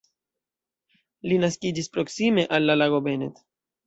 Li naskiĝis proksime al la lago Bennett.